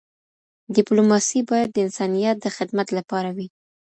ډیپلوماسي باید د انسانیت د خدمت لپاره وي.